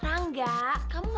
kamu gak usah habis habisin ya